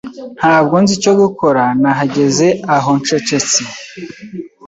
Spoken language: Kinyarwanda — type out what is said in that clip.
Ntabwo nzi icyo gukora, nahagaze aho ncecetse.